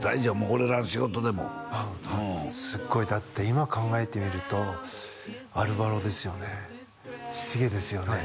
俺らの仕事でもうんすごいだって今考えてみるとアルバロですよねしげですよね